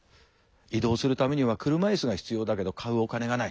移動するためには車いすが必要だけど買うお金がない。